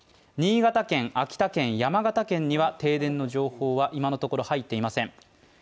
新潟県秋田県、山形県には、停電の情報は今のところ入っていません。